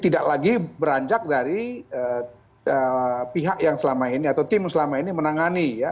tidak lagi beranjak dari pihak yang selama ini atau tim selama ini menangani ya